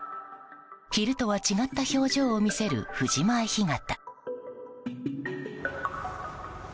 昼とは違った表情を見せる藤前干潟。